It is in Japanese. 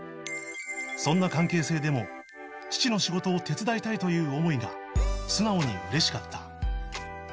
そんな関係性でも父の仕事を手伝いたいという思いが素直に嬉しかった